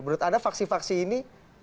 menurut anda faksi faksi ini